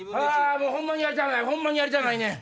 もうホンマにやりたないホンマにやりたないねん！